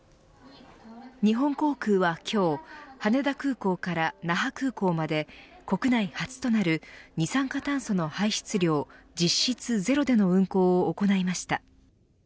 日本航空は今日羽田空港から那覇空港まで国内初となる二酸化炭素の排出量実質ゼロでの運航を行いました。